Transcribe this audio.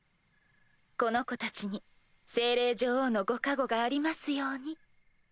この子たちに精霊女王のご加護がありますように。